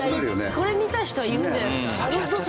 これ見た人は言うんじゃないですか？